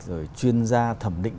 rồi chuyên gia thẩm định